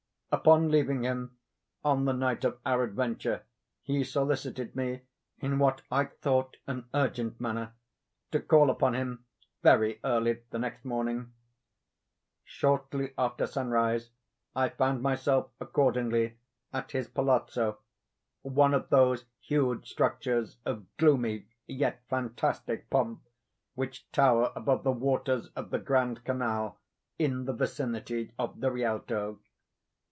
Upon leaving him on the night of our adventure, he solicited me, in what I thought an urgent manner, to call upon him very early the next morning. Shortly after sunrise, I found myself accordingly at his Palazzo, one of those huge structures of gloomy, yet fantastic pomp, which tower above the waters of the Grand Canal in the vicinity of the Rialto.